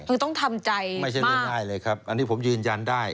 คือต้องทำใจไม่ใช่เรื่องง่ายเลยครับอันนี้ผมยืนยันได้